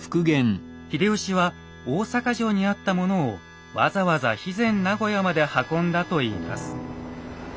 秀吉は大坂城にあったものをわざわざ肥前名護屋まで運んだといいます。